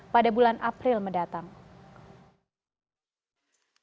pada bulan april mendatang